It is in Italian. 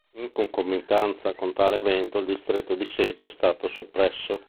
In concomitanza con tale evento, il distretto di Seta è stato soppresso.